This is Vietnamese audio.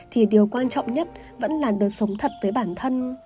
thì điều quan trọng nhất vẫn là được sống thật với bản thân